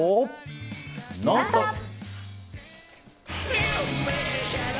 「ノンストップ！」。